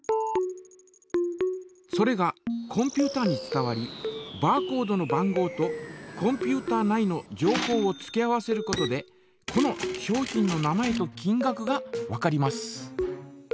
それがコンピュータに伝わりバーコードの番号とコンピュータ内の情報を付け合わせることでこの商品の名前と金がくがわかります。